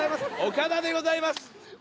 岡田でございます。